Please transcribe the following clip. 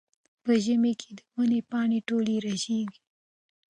په ژمي کې د ونو پاڼې ټولې رژېږي.